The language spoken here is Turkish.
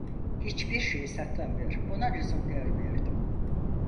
Hiçbir şeyi saklamıyor, buna lüzum görmüyordum.